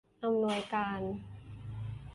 อำนวยการ